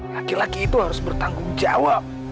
laki laki itu harus bertanggung jawab